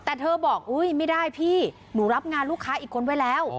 แต่เธอบอกอุ๊ยไม่ได้พี่หนูรับงานลูกค้าอีกคนไว้แล้ว